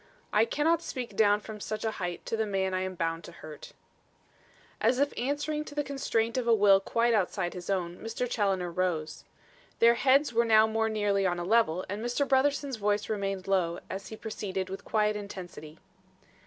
"I cannot speak down from such a height to the man I am bound to hurt." As if answering to the constraint of a will quite outside his own, Mr. Challoner rose. Their heads were now more nearly on a level and Mr. Brotherson's voice remained low, as he proceeded, with quiet intensity.